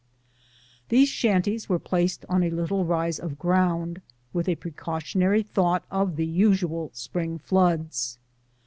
These shanties were placed on a little rise of ground, with a precautionary thought of the usual spring floods.